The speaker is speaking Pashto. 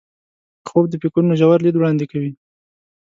خوب د فکرونو ژور لید وړاندې کوي